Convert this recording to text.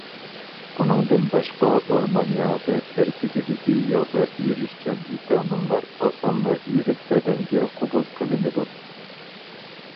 ئۇنىڭدىن باشقا ئورمان ياڭىقى تەركىبىدىكى ياغدا ئېرىشچان ۋىتامىنلار ئاسانلا ئېرىپ بەدەنگە قوبۇل قىلىنىدۇ.